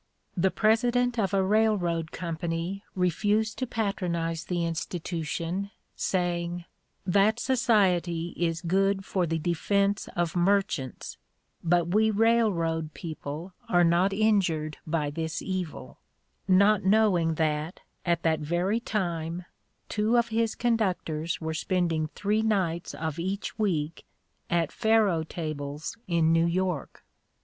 The president of a railroad company refused to patronize the institution, saying "That society is good for the defence of merchants, but we railroad people are not injured by this evil;" not knowing that, at that very time, two of his conductors were spending three nights of each week at faro tables in New York.